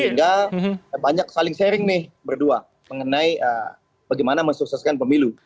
sehingga banyak saling sharing nih berdua mengenai bagaimana mensukseskan pemilu